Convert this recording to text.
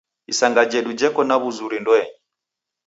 Isanga jedu jeko na w'uzuri ndoenyi.